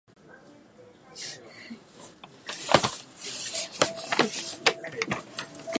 この客はよく柿食う客だ